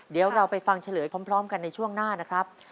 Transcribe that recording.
เดี๋ยวเราไปฟังเฉลยพร้อมกันในช่วงหน้านะครับ